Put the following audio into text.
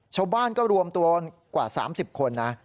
ชาวบ้านก็รวมตัวกว่า๓๐คนนะ